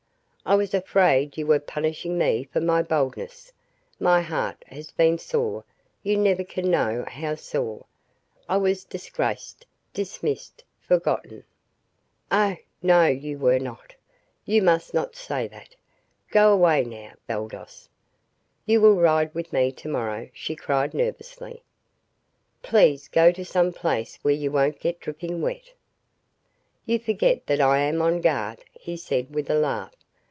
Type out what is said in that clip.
"I was afraid you were punishing me for my boldness. My heart has been sore you never can know how sore. I was disgraced, dismissed, forgotten " "No, no you were not! You must not say that. Go away now, Baldos. You will ride with me to morrow," she cried nervously. "Please go to some place where you won't get dripping wet." "You forget that I am on guard," he said with a laugh.